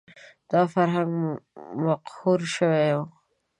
دا فرهنګ مقهور شوی و